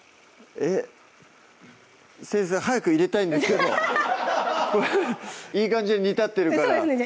えっ先生早く入れたいんですけどいい感じで煮立ってるからそうですね